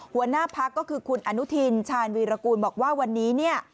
หัวหน้าพักก็คือคุณอนุทินชาญวีรกูลบอกว่าวันนี้เนี่ย